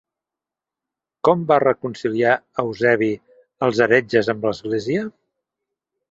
Com va reconciliar Eusebi els heretges amb l'església?